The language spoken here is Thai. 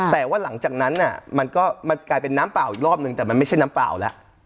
แต่ว่าหลังจากนั้นมันก็มันกลายเป็นน้ำเปล่าอีกรอบนึงแต่มันไม่ใช่น้ำเปล่าแล้ว